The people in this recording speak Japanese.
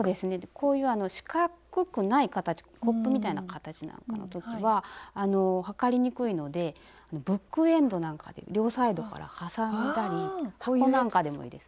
こういう四角くない形コップみたいな形なんかの時は測りにくいのでブックエンドなんかで両サイドから挟んだり箱なんかでもいいです。